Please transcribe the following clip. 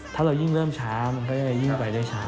ถ้าเรายิ่งเริ่มช้ามันก็จะยิ่งไปได้ช้า